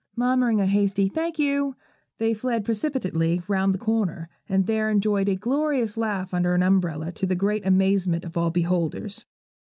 Murmuring a hasty 'thank you,' they fled precipitately round the corner, and there enjoyed a glorious laugh under an umbrella, to the great amazement of all beholders.